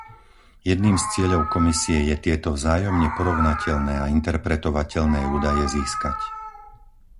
Jedným z cieľov Komisie je tieto vzájomne porovnateľné a interpretovateľné údaje získať.